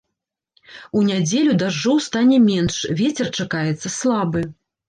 У нядзелю дажджоў стане менш, вецер чакаецца слабы.